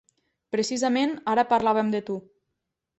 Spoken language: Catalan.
Precisament ara parlàvem de tu.